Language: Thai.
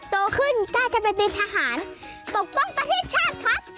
โตขึ้นกล้าจะไปเป็นทหารปกป้องประเทศชาติครับ